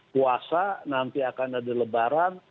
puasa nanti akan ada lebaran